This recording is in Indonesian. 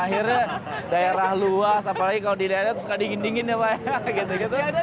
akhirnya daerah luas apalagi kalau di daerah suka dingin dingin ya pak ya